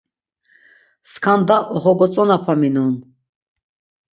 Skanda oxogotzonapaminon.